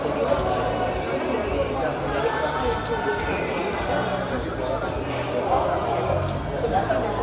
jika kita tidak mendengar nilai nilai itu